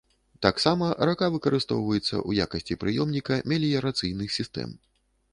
Таксама рака выкарыстоўваецца ў якасці прыёмніка меліярацыйных сістэм.